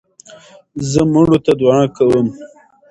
زه مړو ته دؤعا کوم.